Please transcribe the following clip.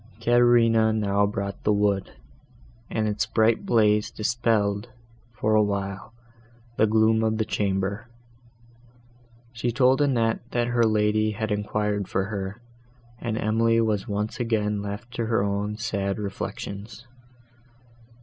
Caterina now brought the wood, and its bright blaze dispelled, for a while, the gloom of the chamber. She told Annette, that her lady had enquired for her, and Emily was once again left to her own sad reflections.